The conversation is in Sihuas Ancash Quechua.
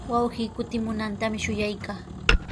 Wawqii kutimunantami shuyaykaa.